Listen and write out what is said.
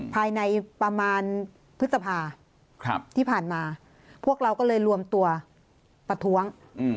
ที่สภาพที่ผ่านมาพวกเราก็เลยรวมตัวประท้วง